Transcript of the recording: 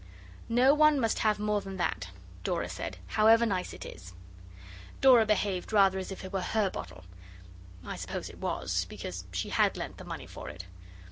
'No one must have more than that,' Dora said, 'however nice it is.' Dora behaved rather as if it were her bottle. I suppose it was, because she had lent the money for it.